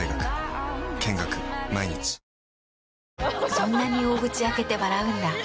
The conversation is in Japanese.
そんなに大口開けて笑うんだ。